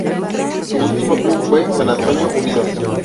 Su último club fue San Antonio Unido.